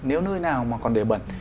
nếu nơi nào mà còn để bận